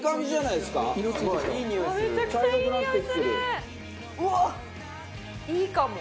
いいかも？